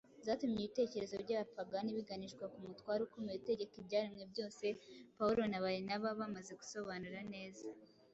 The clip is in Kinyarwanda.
zatumye ibitekerezo by’abapagani biganishwa ku Mutware ukomeye utegeka ibyaremwe byose. Pawulo na Barinaba bamaze gusobanura neza